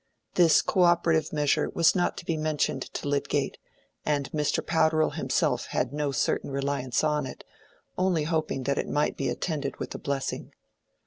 This co operative measure was not to be mentioned to Lydgate, and Mr. Powderell himself had no certain reliance on it, only hoping that it might be attended with a blessing.